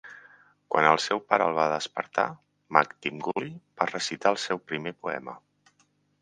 Quan el seu pare el va despertar, Magtymguly va recitar el seu primer poema.